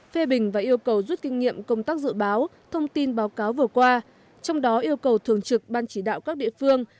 phê bình và yêu cầu rút kinh nghiệm công tác dự báo thông tin báo cáo vừa qua trong đó yêu cầu thường trực ban chỉ đạo các địa phương